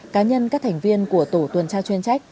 cá nhân các thành viên của tổ tuần tra chuyên trách